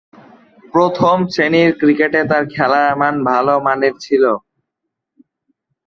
প্রথম-শ্রেণীর ক্রিকেটে তার খেলার মান বেশ ভালোমানের ছিল।